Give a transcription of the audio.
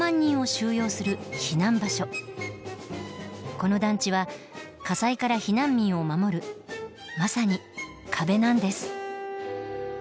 この団地は火災から避難民を守るまさに壁なんです。